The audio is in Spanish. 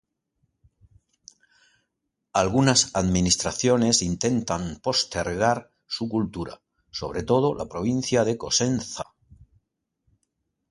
Algunas administraciones intentan postergar su cultura, sobre todo la provincia de Cosenza.